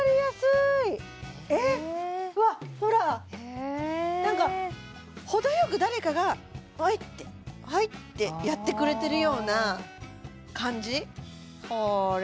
ええっうわっほらへえなんか程よく誰かが「はい」って「はい」ってやってくれてるような感じ？